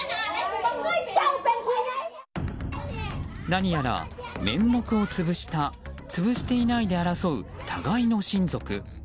何やら面目をつぶしたつぶしていないで争う互いの親族。